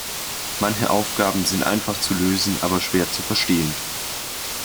Manche Aufgaben sind einfach zu lösen, aber schwer zu verstehen.